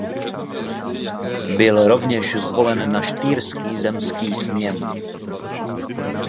Byl rovněž zvolen na Štýrský zemský sněm.